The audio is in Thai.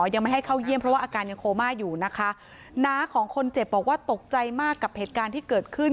ยังไม่ให้เข้าเยี่ยมเพราะว่าอาการยังโคม่าอยู่นะคะน้าของคนเจ็บบอกว่าตกใจมากกับเหตุการณ์ที่เกิดขึ้น